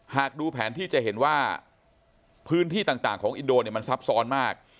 หากดูแผนที่จะเห็นว่าพื้นที่ต่างของอินโดเนี่ยมันซับซ้อนมาก